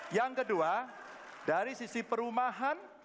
yang kedua dari sisi perumahan